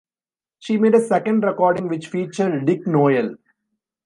She made a second recording which featured Dick Noel.